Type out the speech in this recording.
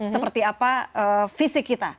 seperti apa fisik kita